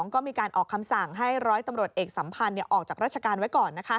ก็มีการออกคำสั่งให้ร้อยตำรวจเอกสัมพันธ์ออกจากราชการไว้ก่อน